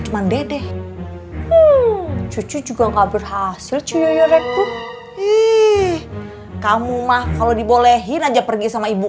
cuman dede cucu juga gak berhasil cuyo rekrut iih kamu mah kalau dibolehin aja pergi sama ibu